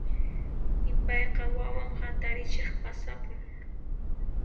Ipayqa wawan hatarichiq pasapun.